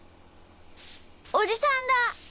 おじさんだ。